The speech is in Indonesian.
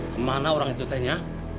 kemana orang itu tanya